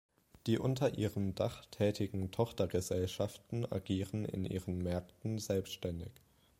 Die unter ihrem Dach tätigen Tochtergesellschaften agieren in ihren Märkten selbständig.